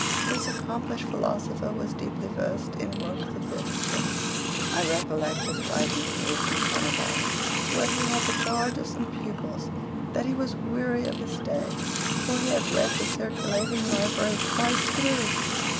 This accomplished philosopher was deeply versed in works of fiction. I recollect his writing to me from Caernarvon, where he had the charge of some pupils, that he was weary of his stay, for he had read the circulating library twice through.